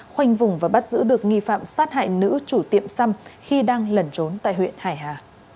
khoanh vùng và bắt giữ được nghi phạm sát hại nữ chủ tiệm xăm khi đang lẩn trốn tại huyện hải hà